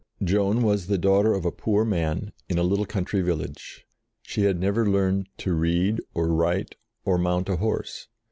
Joan was the daughter of a poor man, in a little country village. She had never 2 JOAN OF ARC learned to read, or write, or mount a horse.